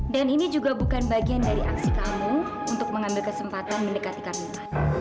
dan ini juga bukan bagian dari aksi kamu untuk mengambil kesempatan mendekati kamila